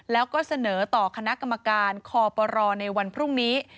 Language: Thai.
แล้วก็เสนอต่อคณะกรรมการคอปรในวันพรุ่งนี้